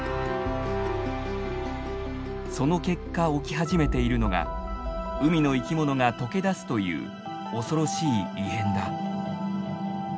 その結果起き始めているのが海の生き物が溶け出すという恐ろしい異変だ。